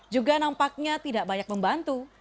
juga nampaknya tidak banyak membantu